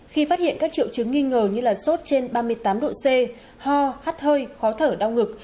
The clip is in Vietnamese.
khi phát hiện các triệu chứng nghi ngờ như sốt trên ba mươi tám độ c ho hát hơi khó thở đau ngực